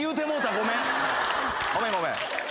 ごめんごめん。